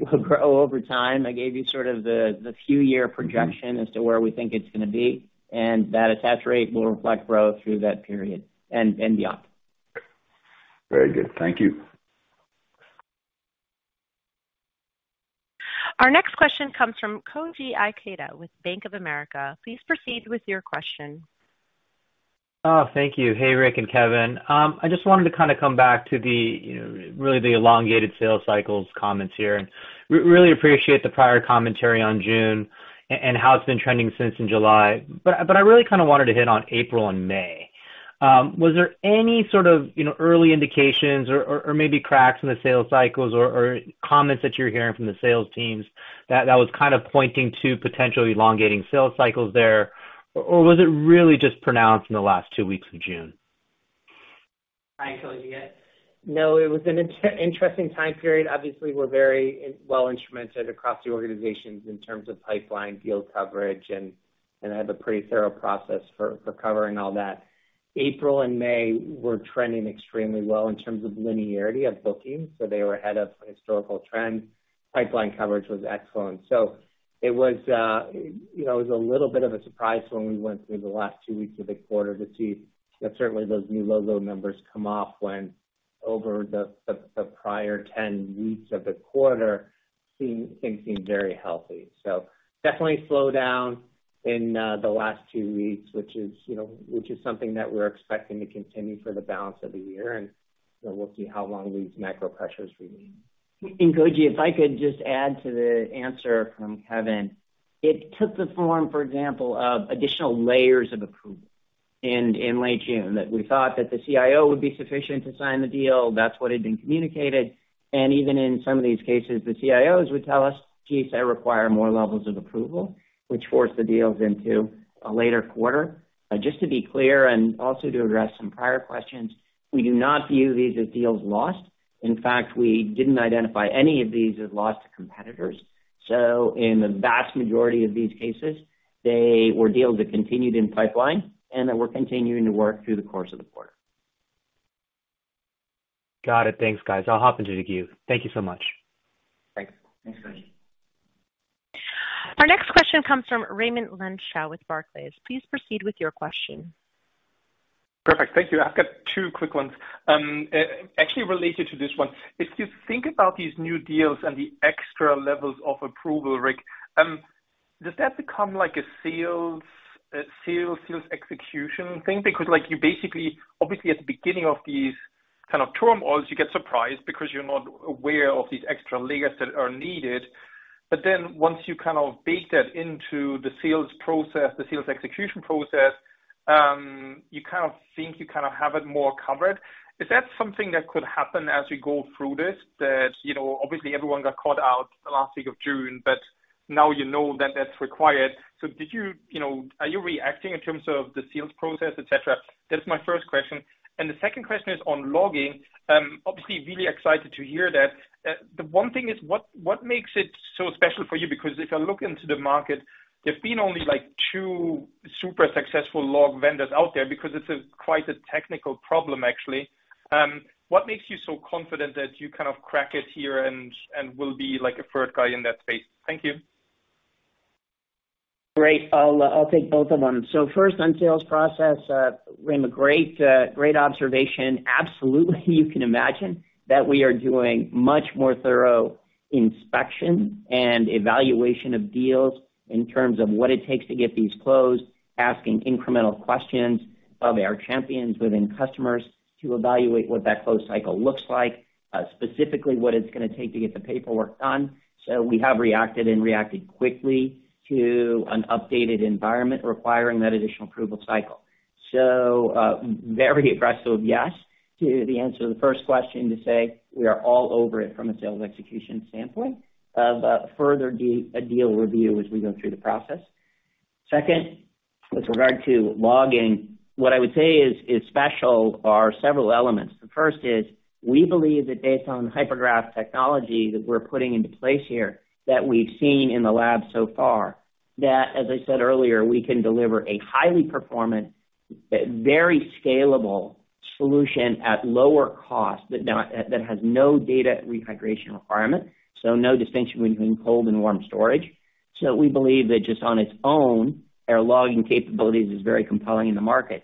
will grow over time. I gave you sort of the few-year projection as to where we think it's gonna be, and that attach rate will reflect growth through that period and beyond. Very good. Thank you. Our next question comes from Koji Ikeda with Bank of America. Please proceed with your question. Oh, thank you. Rick and Kevin. I just wanted to kinda come back to the, really the elongated sales cycles comments here. Really appreciate the prior commentary on June and how it's been trending since in July, but I really kinda wanted to hit on April and May. Was there any early indications or maybe cracks in the sales cycles or comments that you're hearing from the sales teams that was kind of pointing to potentially elongating sales cycles there? Or was it really just pronounced in the last two weeks of June? Hi, Koji. No, it was an interesting time period. Obviously, we're very well-instrumented across the organizations in terms of pipeline deal coverage, and have a pretty thorough process for covering all that. April and May were trending extremely well in terms of linearity of bookings, so they were ahead of historical trend. Pipeline coverage was excellent. It was, it was a little bit of a surprise when we went through the last two weeks of the quarter to see that certainly those new logo numbers come off when over the prior ten weeks of the quarter things seemed very healthy. Definitely slow down in the last two weeks, which is, something that we're expecting to continue for the balance of the year, and, we'll see how long these macro pressures remain. Koji, if I could just add to the answer from Kevin. It took the form, for example, of additional layers of approval in late June, that we thought that the CIO would be sufficient to sign the deal. That's what had been communicated. Even in some of these cases, the CIOs would tell us, "Geez, I require more levels of approval," which forced the deals into a later quarter. Just to be clear, and also to address some prior questions, we do not view these as deals lost. In fact, we didn't identify any of these as lost to competitors. In the vast majority of these cases, they were deals that continued in pipeline and that we're continuing to work through the course of the quarter. Got it. Thanks, guys. I'll hop into the queue. Thank you so much. Thanks. Thanks, Koji. Our next question comes from Raimo Lenschow with Barclays. Please proceed with your question. Perfect. Thank you. I've got two quick ones. Actually related to this one. If you think about these new deals and the extra levels of approval, Rick, does that become like a sales execution thing? Because like you basically, obviously at the beginning of these kind of turmoils, you get surprised because you're not aware of these extra layers that are needed. Then once you kind of bake that into the sales process, the sales execution process, you kind of think you kind of have it more covered. Is that something that could happen as we go through this? That, obviously everyone got caught out the last week of June, but now that that's required. Did you are you reacting in terms of the sales process, et cetera? That's my first question. The second question is on logging. Obviously really excited to hear that. The one thing is what makes it so special for you? Because if I look into the market, there've been only like two super successful log vendors out there because it's quite a technical problem actually. What makes you so confident that you kind of crack it here and will be like a third guy in that space? Thank you. Great. I'll take both of them. First on sales process, Raimo, a great observation. Absolutely, you can imagine that we are doing much more thorough inspection and evaluation of deals in terms of what it takes to get these closed, asking incremental questions of our champions within customers to evaluate what that close cycle looks like, specifically what it's gonna take to get the paperwork done. We have reacted quickly to an updated environment requiring that additional approval cycle. Very aggressive, yes, to the answer to the first question to say we are all over it from a sales execution sampling of further a deal review as we go through the process. Second, with regard to logging, what I would say is special are several elements. The first is we believe that based on Grail technology that we're putting into place here, that we've seen in the lab so far, that, as I said earlier, we can deliver a highly performant, very scalable solution at lower cost that has no data rehydration requirement, so no distinction between cold and warm storage. We believe that just on its own, our logging capabilities is very compelling in the market.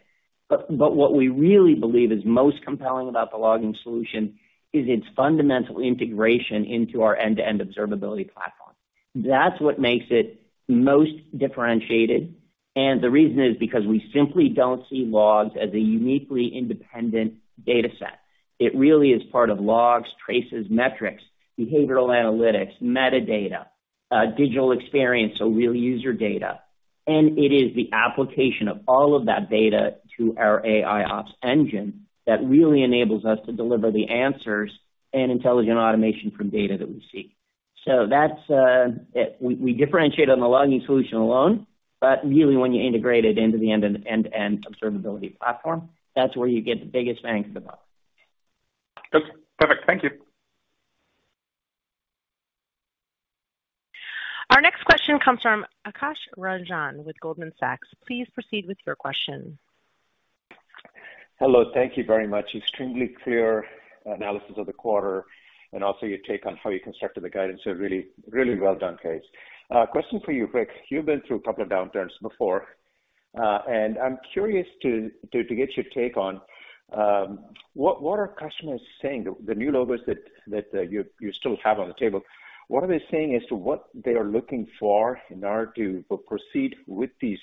What we really believe is most compelling about the logging solution is its fundamental integration into our end-to-end observability platform. That's what makes it most differentiated. The reason is because we simply don't see logs as a uniquely independent dataset. It really is part of logs, traces, metrics, behavioral analytics, metadata, digital experience, so real user data. It is the application of all of that data to our AIOps engine that really enables us to deliver the answers and intelligent automation from data that we see. That's it. We differentiate on the logging solution alone, but really when you integrate it into the end-to-end observability platform, that's where you get the biggest bang for the buck. Good. Perfect. Thank you. Our next question comes from Kash Rangan with Goldman Sachs. Please proceed with your question. Hello, thank you very much. Extremely clear analysis of the quarter and also your take on how you constructed the guidance, so really, really well done, guys. Question for you, Rick. You've been through a couple of downturns before, and I'm curious to get your take on what are customers saying? The new logos that you still have on the table, what are they saying as to what they are looking for in order to proceed with these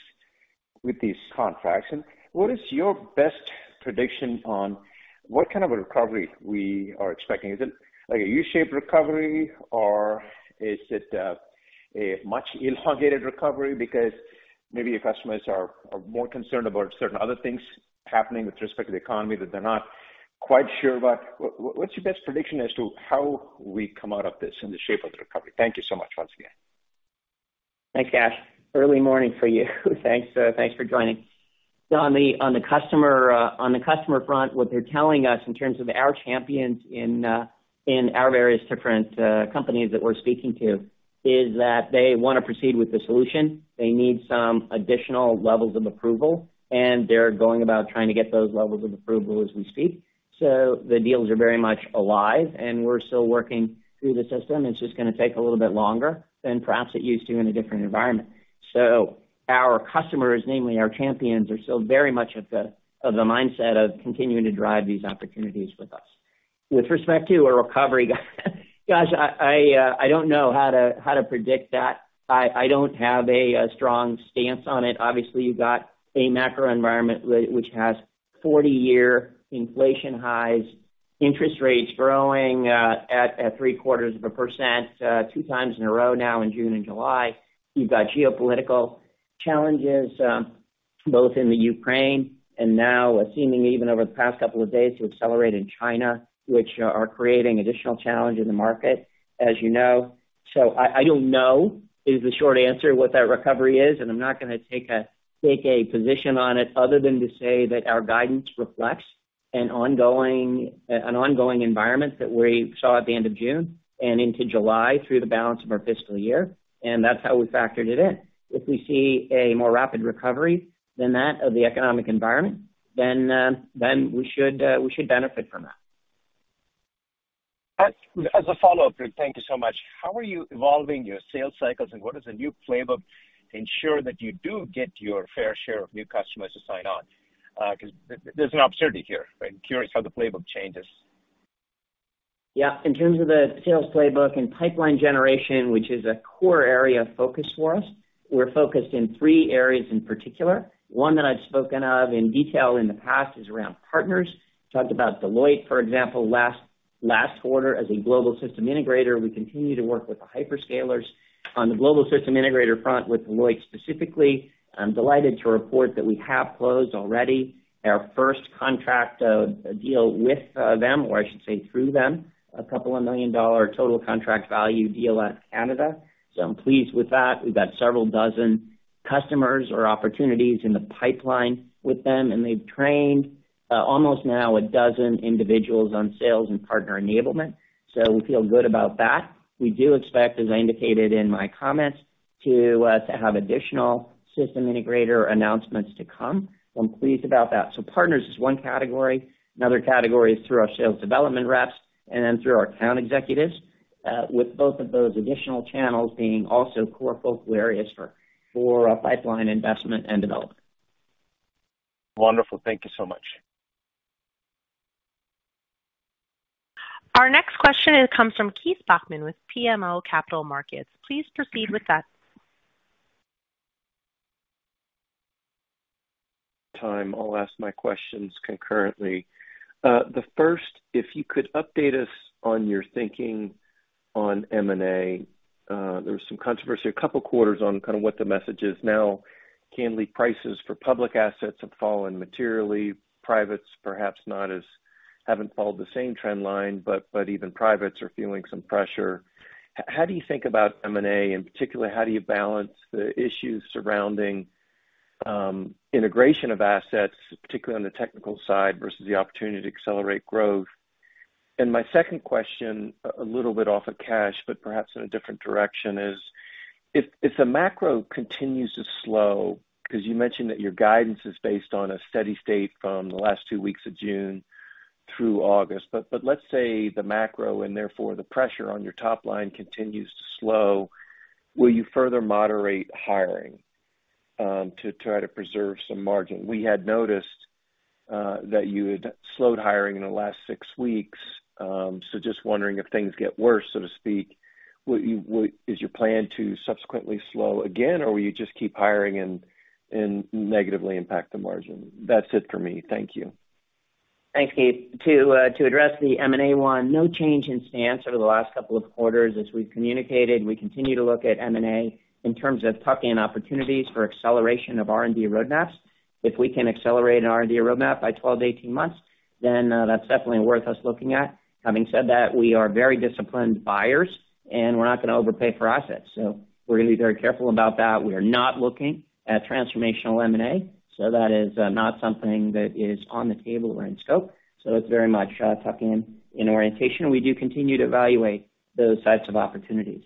contracts? And what is your best prediction on what kind of a recovery we are expecting? Is it like a U-shaped recovery or is it a much elongated recovery because maybe your customers are more concerned about certain other things happening with respect to the economy that they're not quite sure about? What's your best prediction as to how we come out of this and the shape of the recovery? Thank you so much once again. Thanks, Kash. Early morning for you. Thanks for joining. On the customer front, what they're telling us in terms of our champions in our various different companies that we're speaking to, is that they wanna proceed with the solution. They need some additional levels of approval, and they're going about trying to get those levels of approval as we speak. The deals are very much alive and we're still working through the system. It's just gonna take a little bit longer than perhaps it used to in a different environment. Our customers, namely our champions, are still very much of the mindset of continuing to drive these opportunities with us. With respect to a recovery, gosh, I don't know how to predict that. I don't have a strong stance on it. Obviously, you've got a macro environment which has 40-year inflation highs, interest rates growing at 0.75%, 2 times in a row now in June and July. You've got geopolitical challenges both in Ukraine and now seemingly even over the past couple of days to accelerate in China, which are creating additional challenge in the market, as. I don't know is the short answer what that recovery is, and I'm not gonna take a position on it other than to say that our guidance reflects an ongoing environment that we saw at the end of June and into July through the balance of our fiscal year, and that's how we factored it in. If we see a more rapid recovery than that of the economic environment, then we should benefit from that. As a follow-up, Rick, thank you so much. How are you evolving your sales cycles and what is the new playbook to ensure that you do get your fair share of new customers to sign on? 'Cause there's an absurdity here, right? I'm curious how the playbook changes. In terms of the sales playbook and pipeline generation, which is a core area of focus for us, we're focused in three areas in particular. One that I've spoken of in detail in the past is around partners. Talked about Deloitte, for example, last quarter as a global system integrator. We continue to work with the hyperscalers. On the global system integrator front with Deloitte specifically, I'm delighted to report that we have closed already our first contract, deal with them or I should say through them, a $2 million total contract value deal out of Canada. I'm pleased with that. We've got several dozen customers or opportunities in the pipeline with them, and they've trained almost now a dozen individuals on sales and partner enablement. We feel good about that. We do expect, as I indicated in my comments, to have additional system integrator announcements to come. I'm pleased about that. Partners is one category. Another category is through our sales development reps and then through our account executives. With both of those additional channels being also core focal areas for pipeline investment and development. Wonderful. Thank you so much. Our next question comes from Keith Bachman with BMO Capital Markets. Please proceed with that. I'll ask my questions concurrently. The first, if you could update us on your thinking on M&A. There was some controversy a couple quarters on kind of what the message is now. Valuations for public assets have fallen materially. Privates perhaps haven't followed the same trend line, but even privates are feeling some pressure. How do you think about M&A? Particularly, how do you balance the issues surrounding integration of assets, particularly on the technical side, versus the opportunity to accelerate growth? My second question, a little bit off of cash but perhaps in a different direction, is if the macro continues to slow, 'cause you mentioned that your guidance is based on a steady state from the last 2 weeks of June through August. Let's say the macro and therefore the pressure on your top line continues to slow, will you further moderate hiring to try to preserve some margin? We had noticed that you had slowed hiring in the last six weeks. So just wondering if things get worse, so to speak, is your plan to subsequently slow again, or will you just keep hiring and negatively impact the margin? That's it for me. Thank you. Thanks, Keith. To address the M&A one, no change in stance over the last couple of quarters. As we've communicated, we continue to look at M&A in terms of tuck-in opportunities for acceleration of R&D roadmaps. If we can accelerate an R&D roadmap by 12-18 months, then that's definitely worth us looking at. Having said that, we are very disciplined buyers, and we're not gonna overpay for assets, so we're gonna be very careful about that. We are not looking at transformational M&A, so that is not something that is on the table or in scope. So it's very much tuck-in in orientation. We do continue to evaluate those sets of opportunities.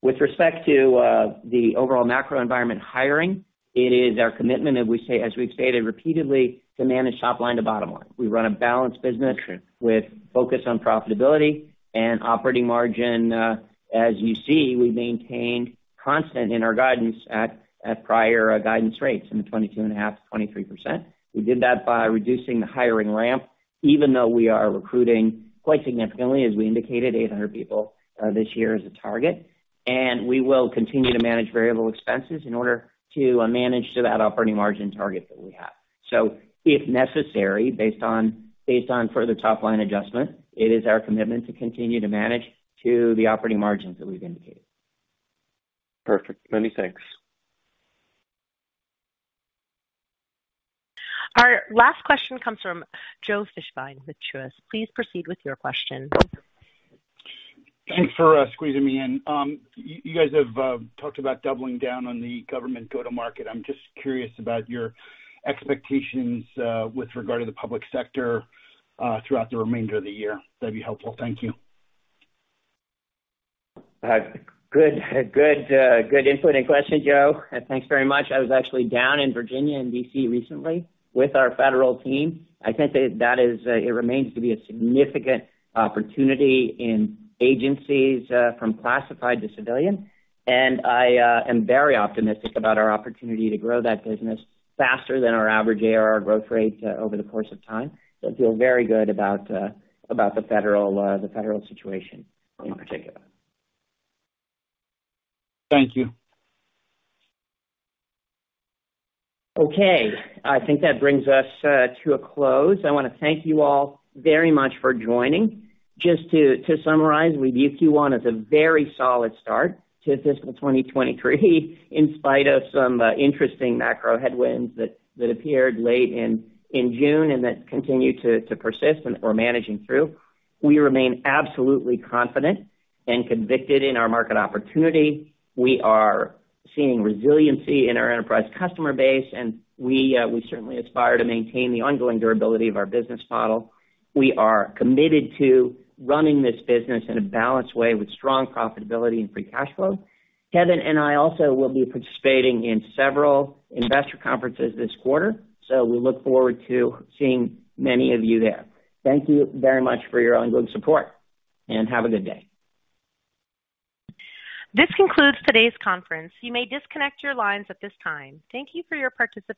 With respect to the overall macro environment hiring, it is our commitment, as we say, as we've stated repeatedly, to manage top line to bottom line. We run a balanced business. With focus on profitability and operating margin. As you see, we maintained constant in our guidance at prior guidance rates in the 22.5% to 23%. We did that by reducing the hiring ramp, even though we are recruiting quite significantly, as we indicated, 800 people this year as a target. We will continue to manage variable expenses in order to manage to that operating margin target that we have. If necessary, based on further top-line adjustment, it is our commitment to continue to manage to the operating margins that we've indicated. Perfect. Many thanks. Our last question comes from Joel Fishbein with Truist. Please proceed with your question. Thanks for squeezing me in. You guys have talked about doubling down on the government go-to-market. I'm just curious about your expectations with regard to the public sector throughout the remainder of the year. That'd be helpful. Thank you. Good input and question, Joel, and thanks very much. I was actually down in Virginia and D.C. recently with our federal team. I think that is, it remains to be a significant opportunity in agencies, from classified to civilian. I am very optimistic about our opportunity to grow that business faster than our average ARR growth rate, over the course of time. I feel very good about the federal situation in particular. Thank you. Okay. I think that brings us to a close. I wanna thank you all very much for joining. Just to summarize, we view Q1 as a very solid start to fiscal 2023 in spite of some interesting macro headwinds that appeared late in June and that continue to persist and that we're managing through. We remain absolutely confident and convicted in our market opportunity. We are seeing resiliency in our enterprise customer base, and we certainly aspire to maintain the ongoing durability of our business model. We are committed to running this business in a balanced way with strong profitability and free cash flow. Kevin and I also will be participating in several investor conferences this quarter, so we look forward to seeing many of you there. Thank you very much for your ongoing support, and have a good day. This concludes today's conference. You may disconnect your lines at this time. Thank you for your participation.